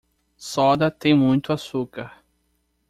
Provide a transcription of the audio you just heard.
Soda tem muito açúcar.